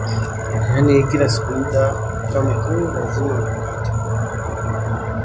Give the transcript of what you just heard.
Yaani kila siku muda kama huu lazima wakate